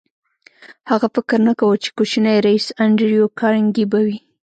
هغه فکر نه کاوه چې کوچنی ريیس انډریو کارنګي به وي